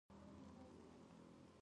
وې بلې شبکې په روانه اونۍ کې